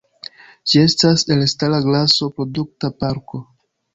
Ĝi estas elstara graso-produkta porko.